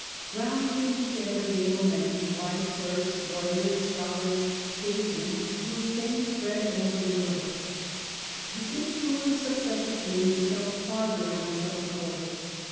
Round him he 36 HENRY'S GREAT MINISTERS. gathered able men, wise clerks, lawyers, scholars, states men, whose fame spread over Europe. The influence of such a king was felt far beyond his own court.